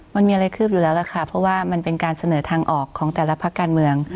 มันมีอะไรคืบอยู่แล้วล่ะค่ะเพราะว่ามันเป็นการเสนอทางออกของแต่ละพักการเมือง